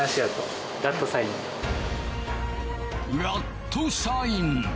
ラットサイン